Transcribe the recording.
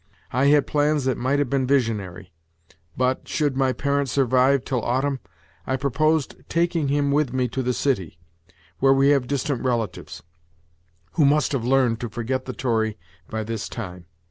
I had plans that might have been visionary; but, should my parent survive till autumn, I purposed taking him with me to the city, where we have distant relatives, who must have learned to forget the Tory by this time.